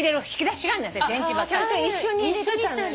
ちゃんと一緒に入れてたんだね。